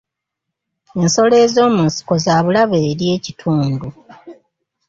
Ensolo ez'omu nsiko za bulabe eri ekitundu.